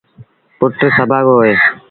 پُٽ سڀآڳو هوئي۔